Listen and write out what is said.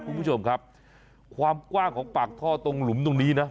คุณผู้ชมครับความกว้างของปากท่อตรงหลุมตรงนี้นะ